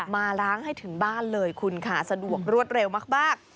มาล้างให้ถึงบ้านเลยคุณค่ะสะดวกรวดเร็วมาก